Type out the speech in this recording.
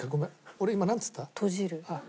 俺今なんつった？